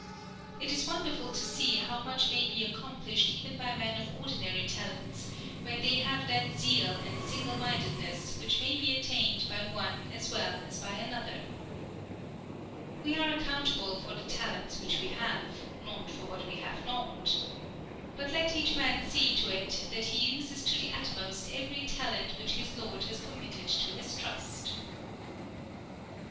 It is wonderful to see how much may be accomplished even by men of ordinary talents, when they have that zeal and single mindedness which may be attained by one as well as by another. We are accountable for the talents which we have, not for what we have not. But let each man see to it that he uses to the utmost every talent which his Lord has committed to his trust.